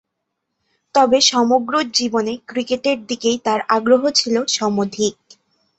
তবে, সমগ্র জীবনে ক্রিকেটের দিকেই তার আগ্রহ ছিল সমধিক।